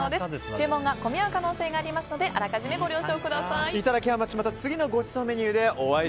注文が混み合う可能性がありますので予めご了承ください。